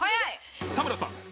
田村さん。